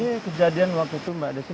ini kejadian waktu itu mbak desi